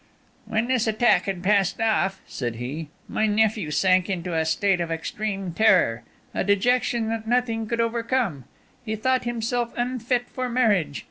"When this attack had passed off," said he, "my nephew sank into a state of extreme terror, a dejection that nothing could overcome. He thought himself unfit for marriage.